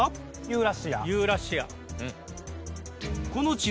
ユーラシア。